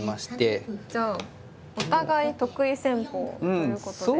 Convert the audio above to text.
じゃあお互い得意戦法ということで。